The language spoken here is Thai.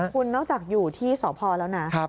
คุณนอกจากอยู่ที่สพแล้วนะ